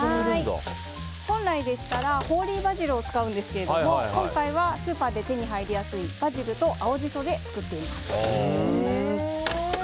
本来でしたらホーリーバジルを使うんですけど今回はスーパーで手に入りやすいバジルと青ジソで作っています。